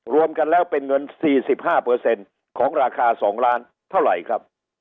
รวมกันแล้วเป็นเงินสี่สิบห้าเปอร์เซ็นต์ของราคาสองล้านเท่าไหร่ครับ